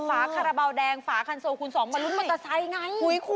ฝาคาราบาลแดงฝาคันโซคูณสองมาลุ้นมอเตอร์ไซค์ไง